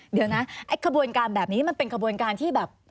เดี๋ยวนะไอ้ขบวนการแบบนี้มันเป็นขบวนการที่แบบ